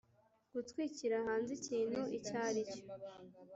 Gutwikira hanze ikintu icyo aricyo